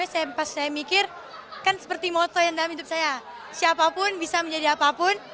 saya pas saya mikir kan seperti moto yang dalam hidup saya siapapun bisa menjadi apapun